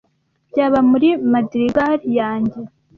byaba muri madrigal yanjye